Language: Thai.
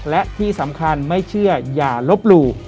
และที่สำคัญไม่เชื่ออย่าลบหลู่